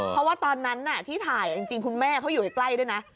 เพราะว่าตอนนั้นที่ถ่ายจริงคุณแม่เขาอยู่ใกล้ด้วยนะ